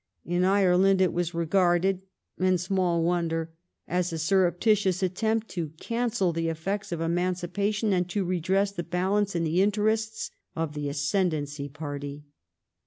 In Ireland it was regarded — and small wonder — as a surreptitious attempt to cancel the effects of emanci pation and to redress the balance in the interests of the " Ascend ancy" party.